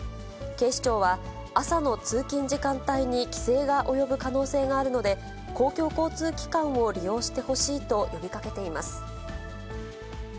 警視庁は、朝の通勤時間帯に規制が及ぶ可能性があるので、公共交通機関を利用してほしいと呼びかけています。